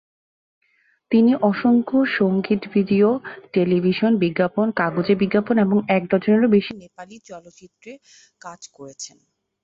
তিনি অসংখ্য সঙ্গীত-ভিডিও, টেলিভিশন বিজ্ঞাপন, কাগুজে বিজ্ঞাপন এবং এক ডজনেরও বেশি নেপালি চলচ্চিত্রে কাজ করেছেন।